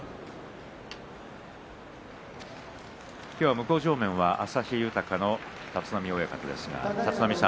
向正面は旭豊の立浪さんです。